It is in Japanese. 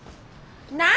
何？